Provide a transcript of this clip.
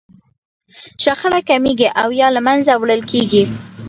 شخړه کمیږي او يا له منځه وړل کېږي.